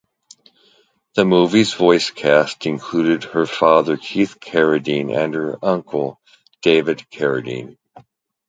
The movie's voice cast included her father Keith Carradine and her uncle David Carradine.